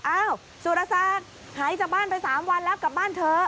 อ้าวสุรศักดิ์หายจากบ้านไป๓วันแล้วกลับบ้านเถอะ